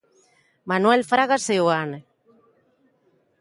Manuel Fraga Seoane.